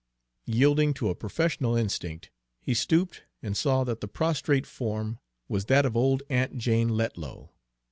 Yielding to a professional instinct, he stooped, and saw that the prostrate form was that of old Aunt Jane Letlow.